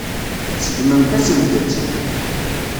Tseggmemt-asent-tt.